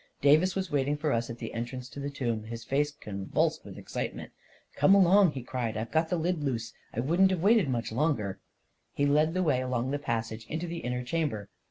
Davis was waiting for us at the entrance to the tomb, his face convulsed with excitement. " Come along! " he cried; " I've got the lid loose — I wouldn't have waited much longer 1 " He led the way along the passage into the inner chamber.